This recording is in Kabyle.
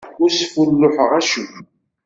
Ur sfulluḥeɣ acemma.